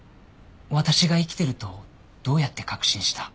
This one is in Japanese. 私が生きているとどうやって確信した？